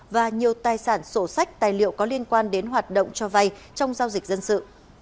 và nhiều tài sản sổ sách tài liệu có liên quan đến hoạt động cho vay trong giao dịch dân sự